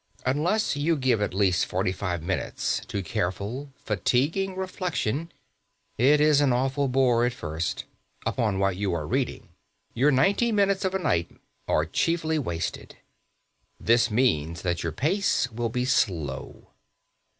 Unless you give at least forty five minutes to careful, fatiguing reflection (it is an awful bore at first) upon what you are reading, your ninety minutes of a night are chiefly wasted. This means that your pace will be slow.